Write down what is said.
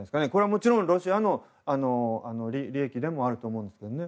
もちろんロシアの利益でもあると思うんですけどね。